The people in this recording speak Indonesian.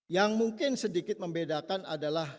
yang mungkin sedikit membedakan adalah